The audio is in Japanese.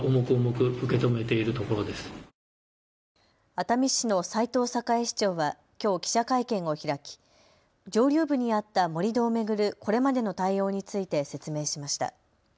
熱海市の斉藤栄市長はきょう記者会見を開き上流部にあった盛り土を巡るこれまでの対応について説明しました。